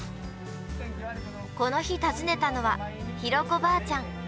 この日訪ねたのは、弘子ばあちゃん。